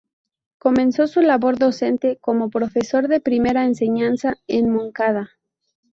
Comenzó su labor docente como profesor de primera enseñanza en Moncada.